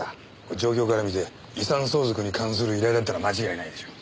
状況から見て遺産相続に関する依頼だったのは間違いないでしょう。